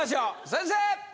先生！